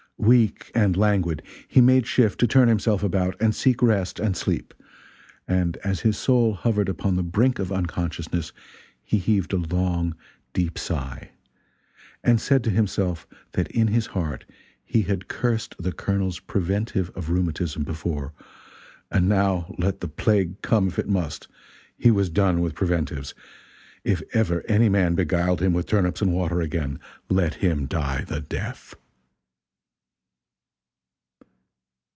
Weak and languid, he made shift to turn himself about and seek rest and sleep; and as his soul hovered upon the brink of unconciousness, he heaved a long, deep sigh, and said to himself that in his heart he had cursed the Colonel's preventive of rheumatism, before, and now let the plague come if it must he was done with preventives; if ever any man beguiled him with turnips and water again, let him die the death.